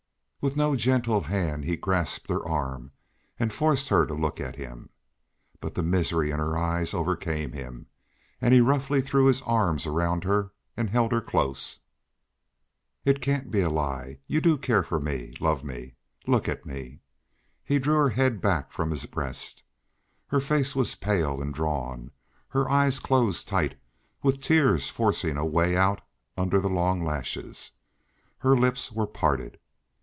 With no gentle hand he grasped her arm and forced her to look at him. But the misery in her eyes overcame him, and he roughly threw his arms around her and held her close. "It can't be a lie. You do care for me love me. Look at me." He drew her head back from his breast. Her face was pale and drawn; her eyes closed tight, with tears forcing a way out under the long lashes; her lips were parted.